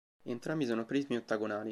Entrambi sono prismi ottagonali.